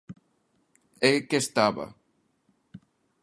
É que estaba.